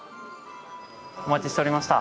お待ちしておりました。